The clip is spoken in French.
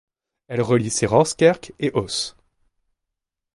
Elle relie Serooskerke et Oss.